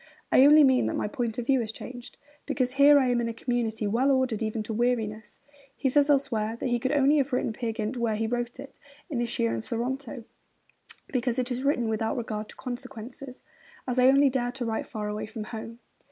I only mean that my point of view has changed, because here I am in a community well ordered even to weariness.' He says elsewhere that he could only have written Peer Gynt where he wrote it, at Ischia and Sorrento, because it is 'written without regard to consequences as I only dare to write far away from home.'